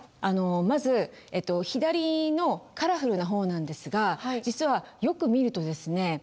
あのまず左のカラフルな方なんですが実はよく見るとですね